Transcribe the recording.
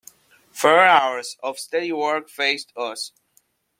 Four hours of steady work faced us.